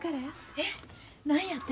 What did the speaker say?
えっ何やて？